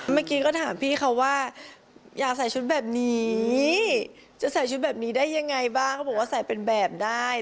เมื่อกี้ก็ถามพี่เขาว่าอยากใส่ชุดแบบนี้จะใส่ชุดแบบนี้ได้ยังไงบ้างเขาบอกว่าใส่เป็นแบบได้